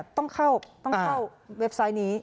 ต้องเข้าเว็บไซต์นี้